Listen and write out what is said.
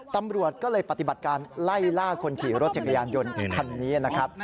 ตำรวจก็เลยปฏิบัติการไล่ล่าคนขี่รถจักรยานยนต์คันนี้นะครับ